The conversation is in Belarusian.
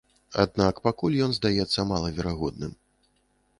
Аднак пакуль ён здаецца малаверагодным.